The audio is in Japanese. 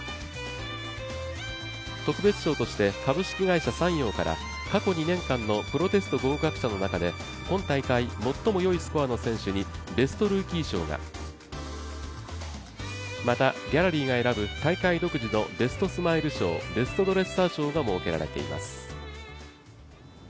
特別賞として、株式会社三陽から過去２年間のプロテスト合格者の中で、今大会最も良いスコアの選手にベストルーキー賞が、また、ギャラリーが選ぶ大会独自のベストスマイル賞ベストドレッサー賞が設けられています。